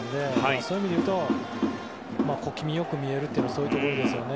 そういう意味で言うと小気味よく見えるというのはそういうところですね。